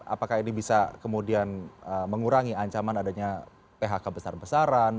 apakah ini bisa kemudian mengurangi ancaman adanya phk besar besaran